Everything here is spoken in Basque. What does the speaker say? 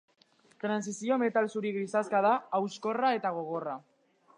Trantsizio-metal zuri grisaxka da, hauskorra eta gogorra.